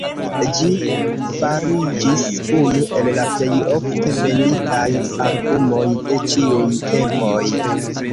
Ĝi fariĝis unu el la plej ofte venditaj albumoj de ĉiuj tempoj.